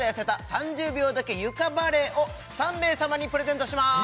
３０秒だけ床バレエ」を３名様にプレゼントします！